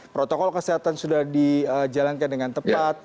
protokol kesehatan sudah dijalankan dengan tepat